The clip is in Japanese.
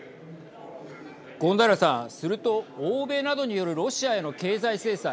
権平さん、すると欧米などによるロシアへの経済制裁